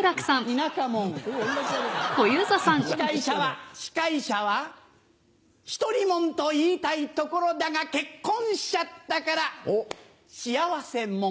司会者は司会者は独りもんと言いたいところだが結婚しちゃったから幸せもん。